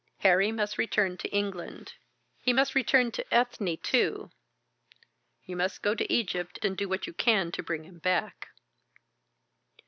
Harry must return to England. He must return to Ethne, too. You must go to Egypt and do what you can to bring him back."